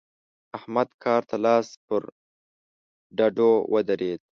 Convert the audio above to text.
احمد کار ته لاس پر ډډو ودرېد.